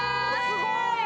すごい！